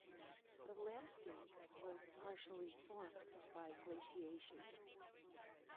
The landscape was partially formed by glaciation.